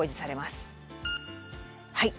はい。